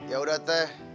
ya sudah teh